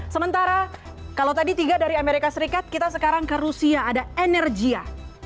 sementara kalau tadi tiga dari amerika serikat kita sekarang ke rusia ada energia